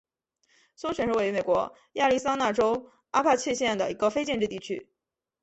松泉是位于美国亚利桑那州阿帕契县的一个非建制地区。